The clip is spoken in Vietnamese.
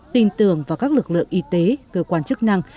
tin tưởng vào các lực lượng y tế cơ quan chức năng